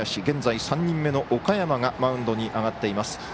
現在３人目の岡山がマウンドに上がっています。